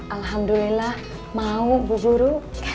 alhamdulillah mau bu guru